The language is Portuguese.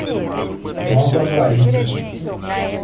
Nova Guarita